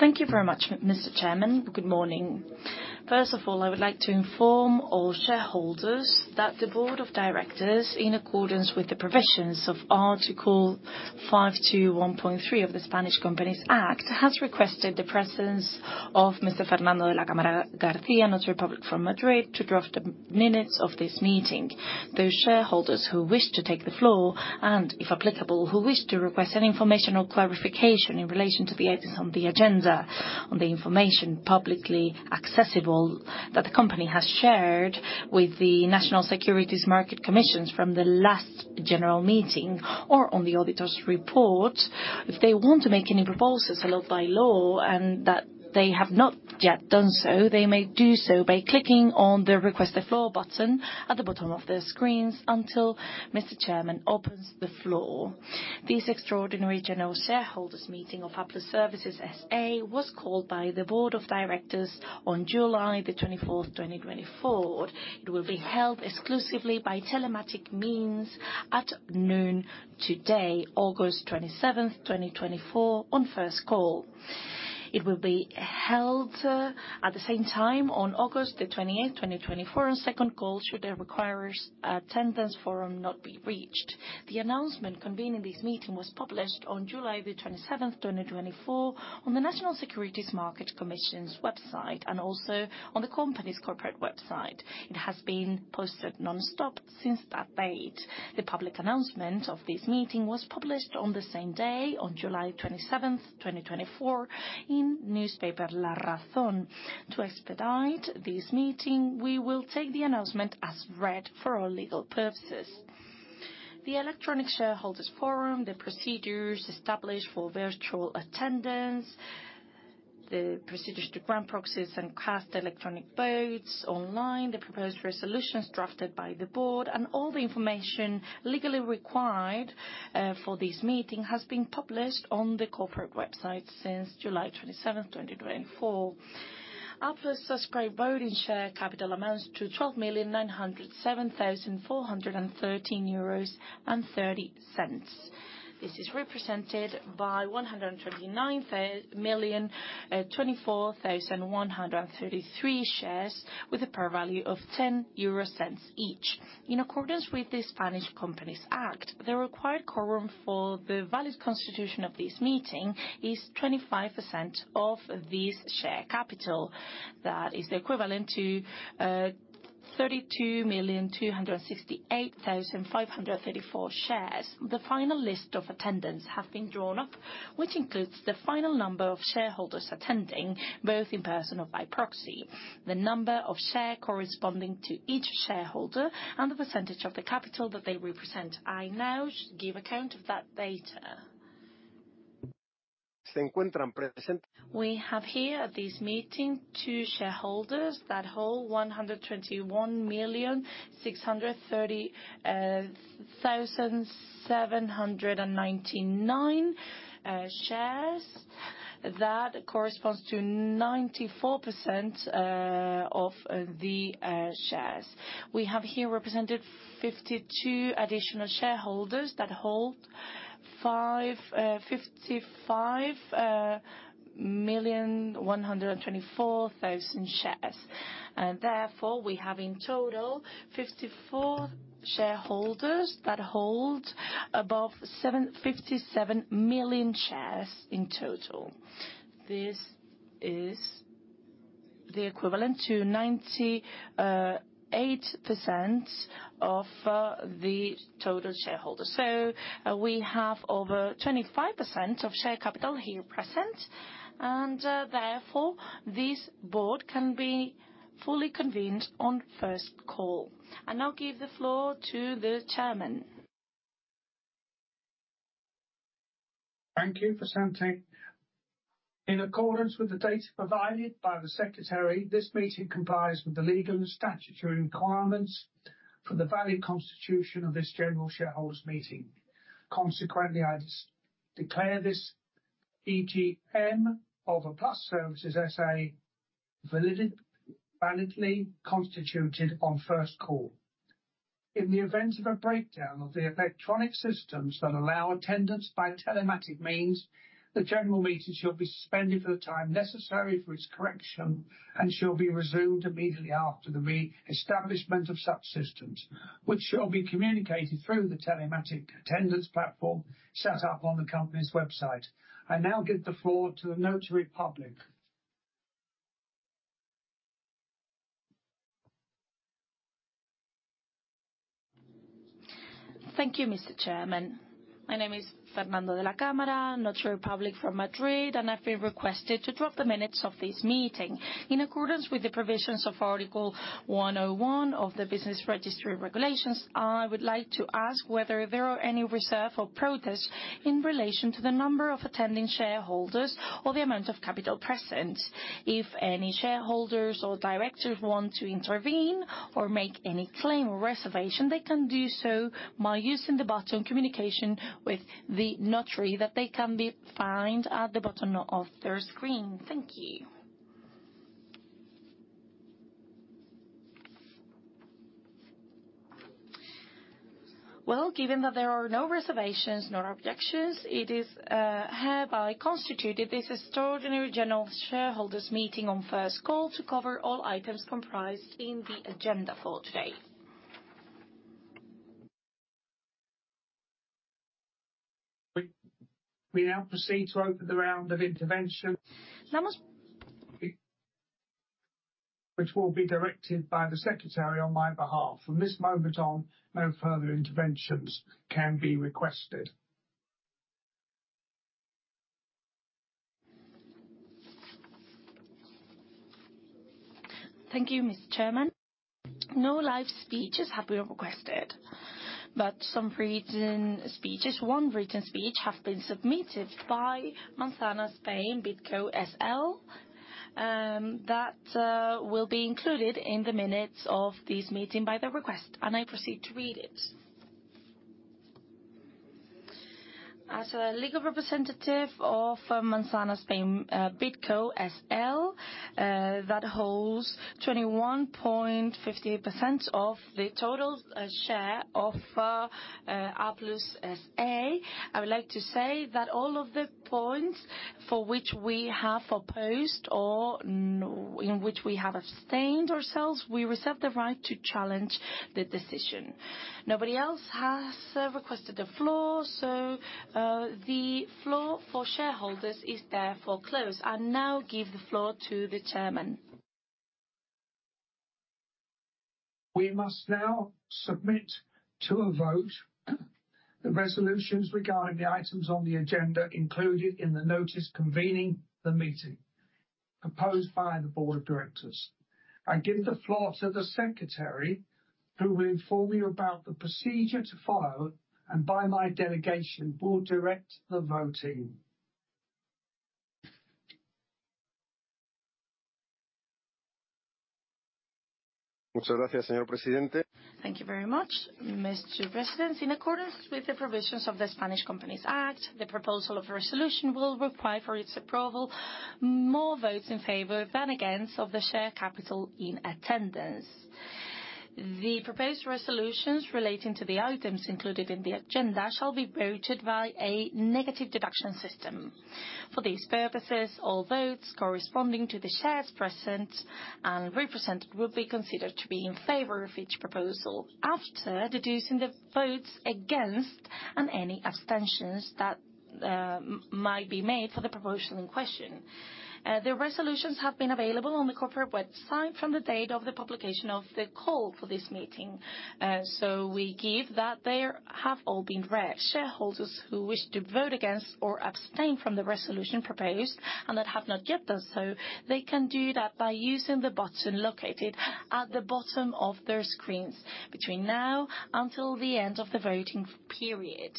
Thank you very much, Mr. Chairman. Good morning. First of all, I would like to inform all shareholders that the board of directors, in accordance with the provisions of Article 521.3 of the Spanish Companies Act, has requested the presence of Mr. Fernando de la Cámara García, Notary Public from Madrid, to draft the minutes of this meeting. Those shareholders who wish to take the floor, and, if applicable, who wish to request any information or clarification in relation to the items on the agenda, on the information publicly accessible that the company has shared with the National Securities Market Commission from the last general meeting, or on the auditor's report. If they want to make any proposals allowed by law, and that they have not yet done so, they may do so by clicking on the Request the Floor button at the bottom of their screens until Mr. Chairman opens the floor. This extraordinary general shareholders meeting of Applus Services, S.A., was called by the Board of Directors on July 24, 2024. It will be held exclusively by telematic means at noon today, August 27, 2024, on first call. It will be held at the same time on August 28, 2024, on second call, should the required attendance quorum not be reached. The announcement convening this meeting was published on July 27, 2024, on the National Securities Market Commission's website, and also on the company's corporate website. It has been posted nonstop since that date. The public announcement of this meeting was published on the same day, on July 27, 2024, in newspaper La Razón. To expedite this meeting, we will take the announcement as read for all legal purposes. The Electronic Shareholders Forum, the procedures established for virtual attendance, the procedures to grant proxies and cast electronic votes online, the proposed resolutions drafted by the board, and all the information legally required for this meeting has been published on the corporate website since July 27, 2024. Applus subscribed voting share capital amounts to 12,907,413.30 euros. This is represented by 129,074,133 shares, with a par value of 0.10 each. In accordance with the Spanish Companies Act, the required quorum for the valid constitution of this meeting is 25% of this share capital. That is equivalent to 32,268,534 shares. The final list of attendance has been drawn up, which includes the final number of shareholders attending, both in person or by proxy, the number of shares corresponding to each shareholder, and the percentage of the capital that they represent. I now give account of that data. We have here at this meeting two shareholders that hold 121,630,739 shares. That corresponds to 94% of the shares. We have here represented 52 additional shareholders that hold 55,124,000 shares. And therefore, we have in total, 54 shareholders that hold above 57 million shares in total. This is the equivalent to 98% of the total shareholders. So we have over 25% of share capital here present, and therefore, this board can be fully convened on first call. I now give the floor to the chairman. Thank you for standing. In accordance with the data provided by the secretary, this meeting complies with the legal and statutory requirements for the valid constitution of this general shareholders meeting. Consequently, I declare this EGM of Applus Services, S.A., valid, validly constituted on first call. In the event of a breakdown of the electronic systems that allow attendance by telematic means, the general meeting shall be suspended for the time necessary for its correction and shall be resumed immediately after the reestablishment of such systems, which shall be communicated through the telematic attendance platform set up on the company's website. I now give the floor to the Notary Public. Thank you, Mr. Chairman. My name is Fernando de la Cámara García, Notary Public from Madrid, and I've been requested to draft the minutes of this meeting. In accordance with the provisions of Article 101 of the Business Registry Regulations, I would like to ask whether there are any reservations or protests in relation to the number of attending shareholders or the amount of capital present. If any shareholders or directors want to intervene or make any claim or reservation, they can do so by using the button, Communication with the Notary, that can be found at the bottom of their screen. Thank you. Given that there are no reservations nor objections, it is hereby constituted this extraordinary general shareholders meeting on first call to cover all items comprised in the agenda for today. We now proceed to open the round of intervention. Which will be directed by the secretary on my behalf. From this moment on, no further interventions can be requested. Thank you, Mr. Chairman. No live speeches have been requested, but some written speeches, one written speech has been submitted by Manzana Spain BidCo SL that will be included in the minutes of this meeting by their request, and I proceed to read it. As a legal representative of Manzana Spain BidCo SL that holds 21.58% of the total share of Applus S.A. I would like to say that all of the points for which we have opposed or in which we have abstained ourselves, we reserve the right to challenge the decision. Nobody else has requested the floor, so the floor for shareholders is therefore closed. I now give the floor to the chairman. We must now submit to a vote the resolutions regarding the items on the agenda included in the notice convening the meeting, proposed by the Board of Directors. I give the floor to the secretary, who will inform you about the procedure to follow, and by my delegation, will direct the voting. Thank you very much, Mr. President. In accordance with the provisions of the Spanish Companies Act, the proposal of resolution will require for its approval more votes in favor than against of the share capital in attendance. The proposed resolutions relating to the items included in the agenda shall be voted by a negative deduction system. For these purposes, all votes corresponding to the shares present and represented will be considered to be in favor of each proposal after deducting the votes against and any abstentions that might be made for the proposal in question. The resolutions have been available on the corporate website from the date of the publication of the call for this meeting. So we give that they have all been read. Shareholders who wish to vote against or abstain from the resolution proposed, and that have not yet done so, they can do that by using the button located at the bottom of their screens between now until the end of the voting period.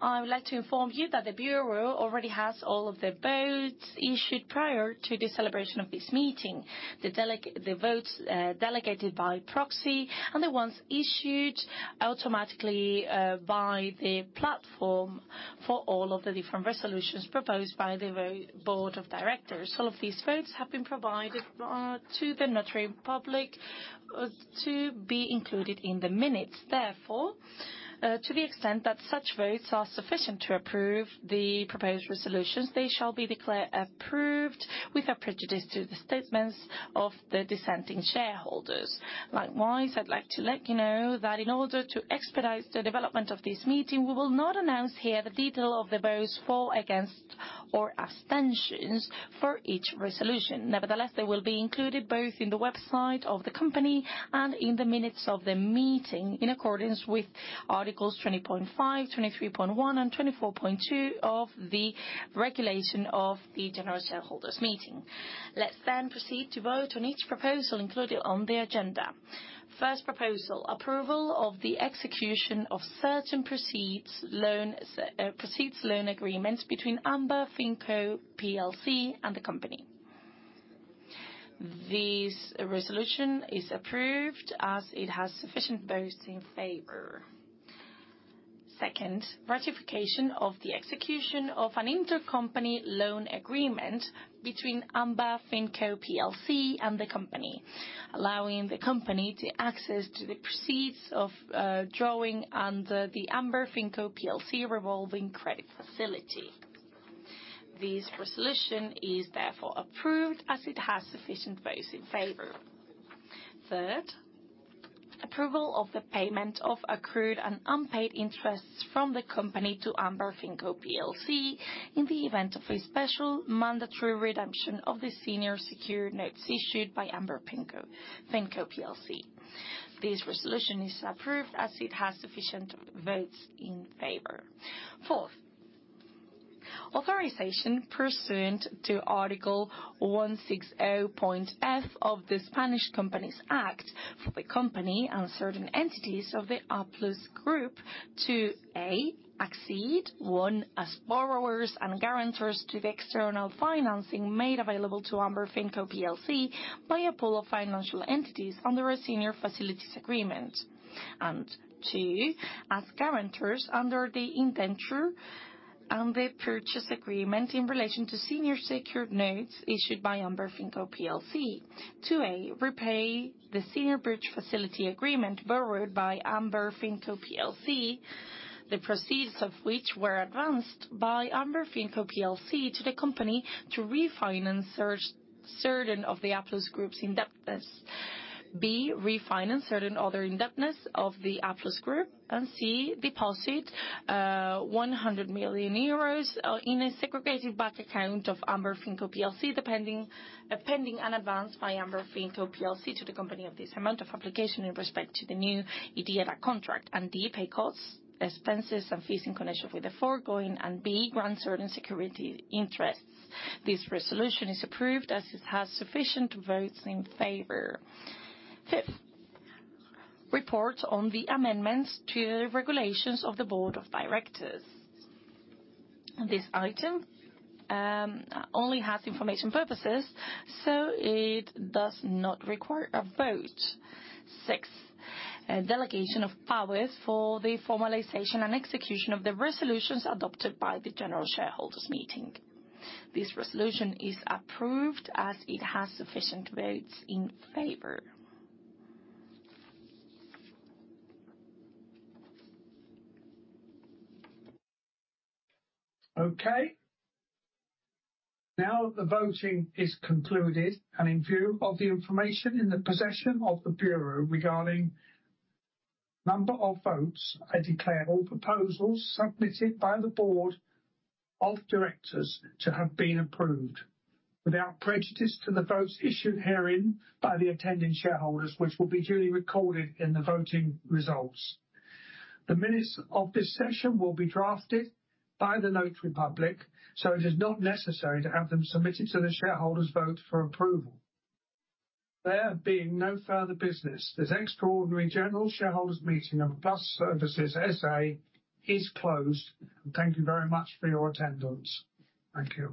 I would like to inform you that the bureau already has all of the votes issued prior to the celebration of this meeting, the votes delegated by proxy, and the ones issued automatically by the platform for all of the different resolutions proposed by the board of directors. All of these votes have been provided to the notary public to be included in the minutes. Therefore, to the extent that such votes are sufficient to approve the proposed resolutions, they shall be declared approved with a prejudice to the statements of the dissenting shareholders. Likewise, I'd like to let you know that in order to expedite the development of this meeting, we will not announce here the detail of the votes for, against, or abstentions for each resolution. Nevertheless, they will be included both in the website of the company and in the minutes of the meeting, in accordance with articles 20.5, 23.1, and 24.2 of the Regulations of the General Shareholders Meeting. Let's then proceed to vote on each proposal included on the agenda. First proposal: approval of the execution of certain proceeds loan agreements between Amber FinCo PLC and the company. This resolution is approved as it has sufficient votes in favor. Second, ratification of the execution of an intercompany loan agreement between Amber FinCo PLC and the company, allowing the company to access to the proceeds of drawing under the Amber FinCo PLC revolving credit facility. This resolution is therefore approved as it has sufficient votes in favor. Third, approval of the payment of accrued and unpaid interests from the company to Amber FinCo PLC in the event of a special mandatory redemption of the senior secured notes issued by Amber FinCo PLC. This resolution is approved as it has sufficient votes in favor. Fourth, authorization pursuant to Article 160.f of the Spanish Companies Act for the company and certain entities of the Applus Group to act as borrowers and guarantors to the external financing made available to Amber FinCo PLC by a pool of financial entities under a senior facilities agreement. Two, as guarantors under the indenture and the purchase agreement in relation to senior secured notes issued by Amber FinCo PLC. To A, repay the senior bridge facility agreement borrowed by Amber FinCo PLC, the proceeds of which were advanced by Amber FinCo PLC to the company to refinance certain of the Applus Group's indebtedness. B, refinance certain other indebtedness of the Applus Group, and C, deposit 100 million euros in a segregated bank account of Amber FinCo PLC, pending an advance by Amber FinCo PLC to the company of this amount for application in respect to the new IDIADA contract. And D, pay costs, expenses, and fees in connection with the foregoing, and B, grant certain security interests. This resolution is approved as it has sufficient votes in favor. Fifth, report on the amendments to the regulations of the board of directors. This item only has information purposes, so it does not require a vote. Sixth, a delegation of powers for the formalization and execution of the resolutions adopted by the general shareholders meeting. This resolution is approved as it has sufficient votes in favor. Okay. Now that the voting is concluded, and in view of the information in the possession of the bureau regarding number of votes, I declare all proposals submitted by the board of directors to have been approved, without prejudice to the votes issued herein by the attending shareholders, which will be duly recorded in the voting results. The minutes of this session will be drafted by the Notary Public, so it is not necessary to have them submitted to the shareholders' vote for approval. There being no further business, this extraordinary general shareholders meeting of Applus Services, S.A. is closed. Thank you very much for your attendance. Thank you.